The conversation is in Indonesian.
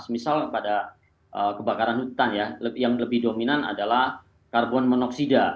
misal pada kebakaran hutan ya yang lebih dominan adalah karbon monoksida